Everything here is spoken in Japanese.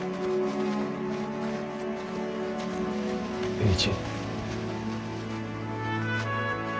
栄一。